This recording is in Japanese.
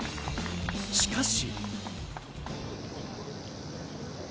しかし。